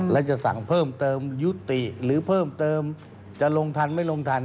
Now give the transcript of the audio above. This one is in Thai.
และจะสั่งเพิ่มเติมยุติหรือเพิ่มเติมจะลงทันไม่ลงทัน